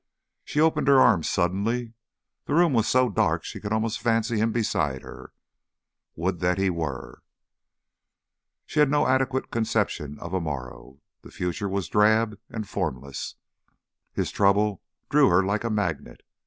She opened her arms suddenly. The room was so dark she almost could fancy him beside her. Would that he were! She had no adequate conception of a morrow. The future was drab and formless. His trouble drew her like a magnet.